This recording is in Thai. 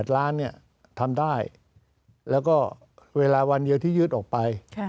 ๗๘ล้านเนี่ยทำได้แล้วก็เวลาวันเยอะที่ยืดออกไป